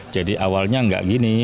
jadi awalnya enggak gini